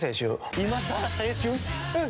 今さら青春？